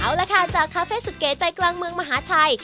เอาละค่ะจากคาเฟ่สุดเก๋ใจกลางเมืองมหาชัย